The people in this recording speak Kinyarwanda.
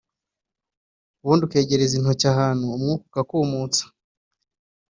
ubundi ukegereza intoki ahantu umwuka ukakumutsa